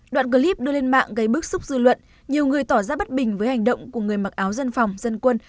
đoạn clip đưa lên mạng gây bức xúc dư luận nhiều người tỏ ra bất bình với hành động của người mặc áo dân phòng dân quân